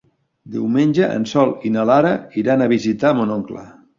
Diumenge en Sol i na Lara iran a visitar mon oncle.